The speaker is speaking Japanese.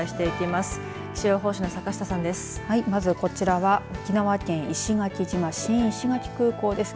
まずこちらは沖縄県石垣島新石垣空港です。